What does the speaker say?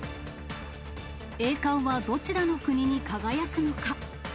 栄冠はどちらの国に輝くのか。